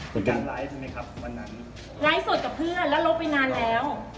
เป็นการไลฟ์ใช่ไหมครับวันนั้นไลฟ์สดกับเพื่อนแล้วลบไปนานแล้ว